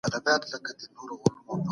زه حقمل په کامن وایس کې کار کوم.